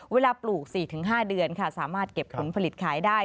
ปลูก๔๕เดือนค่ะสามารถเก็บผลผลิตขายได้